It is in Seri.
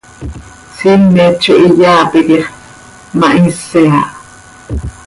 Siimet zo hiyaa piquix, ma hsiye aha.